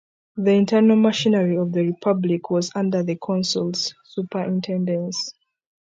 The internal machinery of the Republic was under the consuls' superintendence.